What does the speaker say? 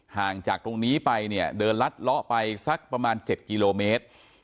ห่างจากตรงนี้ไปเนี่ยเดินลัดเลาะไปสักประมาณ๗กิโลเมตร